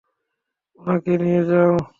ওনাকে নিয়ে যাও।